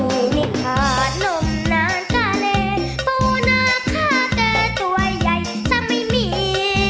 หนูมีขาดลมนานกาเลปูหน้าข้าเกิดตัวใหญ่ฉันไม่มี